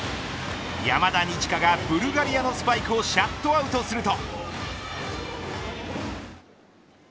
山田二千華がブルガリアのスパイクをシャットアウトすると。